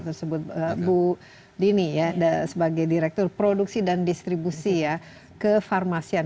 tersebut bu dini ya sebagai direktur produksi dan distribusi ya kefarmasian